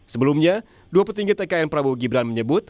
sebelumnya dua petinggi tkn prabowo gibran menyebut